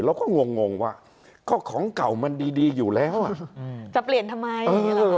งงว่าก็ของเก่ามันดีอยู่แล้วจะเปลี่ยนทำไม